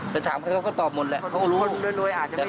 แต่ถามเขาก็ตอบหมดแหละเขารู้คนบ้อนด้วยอาจจะไม่รู้